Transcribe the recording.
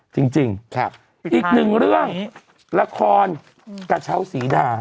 จริงอีกหนึ่งเรื่องละครกระเช้าสีดา